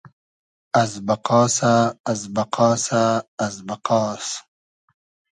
از بئقاسۂ از بئقاسۂ از بئقاس